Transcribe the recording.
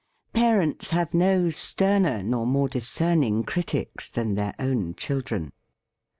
Parents have no sterner nor more discerning critics than their own children.